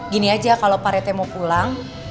gini aja kalo parete mau pulang